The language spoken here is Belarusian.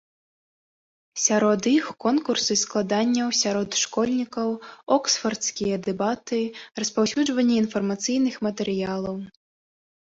Сярод іх конкурсы складанняў сярод школьнікаў, оксфардскія дэбаты, распаўсюджванне інфармацыйных матэрыялаў.